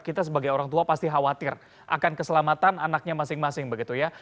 kita sebagai orang tua pasti khawatir akan keselamatan anaknya masing masing begitu ya